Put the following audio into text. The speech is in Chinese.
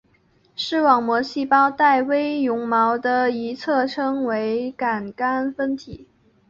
视网膜细胞带微绒毛的一侧称为感杆分体。